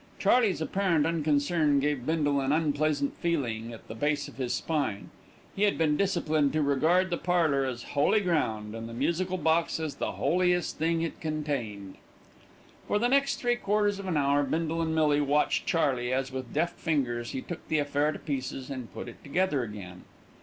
Charley's apparent unconcern gave Bindle an unpleasant feeling at the base of his spine. He had been disciplined to regard the parlour as holy ground, and the musical box as the holiest thing it contained. For the next three quarters of an hour Bindle and Millie watched Charley, as, with deft fingers, he took the affair to pieces and put it together again.